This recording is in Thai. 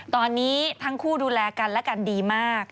ตอนนี้ทั้งคู่ดูแลกันและกันดีมาก